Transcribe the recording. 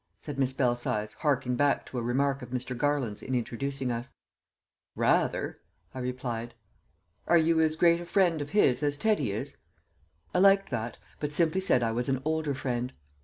said Miss Belsize, harking back to a remark of Mr. Garland's in introducing us. "Rather!" I replied. "Are you as great a friend of his as Teddy is?" I liked that, but simply said I was an older friend.